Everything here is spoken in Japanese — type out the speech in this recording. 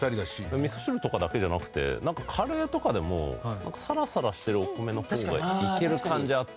みそ汁とかだけじゃなくてカレーとかでもサラサラしてるお米の方がいける感じあって。